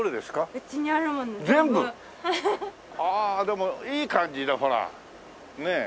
でもいい感じだほらねえ。